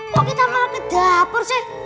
kok kita mau ke dapur sih